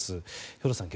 兵頭さん